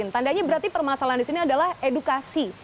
tandanya berarti permasalahan di sini adalah edukasi